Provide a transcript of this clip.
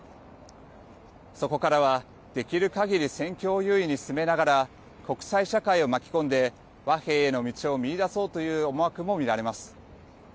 そこからは、できるかぎり戦況を有利に進めながら国際社会を巻き込んで和平への道を見いだそうという思惑も見られます。